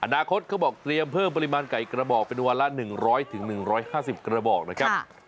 อนาคตเขาบอกเตรียมเพิ่มปริมาณไก่กระบอกเป็นวันละ๑๐๐๑๕๐กระบอกนะครับ